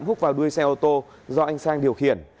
hút vào đuôi xe ô tô do anh sang điều khiển